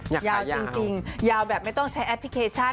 ยาวจริงยาวแบบไม่ต้องใช้แอปพลิเคชัน